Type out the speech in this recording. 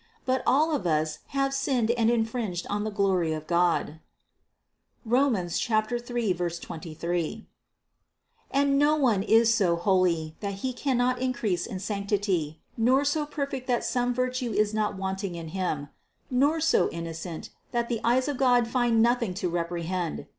For all of us have sinned and infringe on the glory of God (Rom. 3, 23) ; and no one is so holy that he cannot increase in sanctity ; nor so perfect that some virtue is not wanting in him; nor so innocent, that the eyes of God find nothing to rep rehend.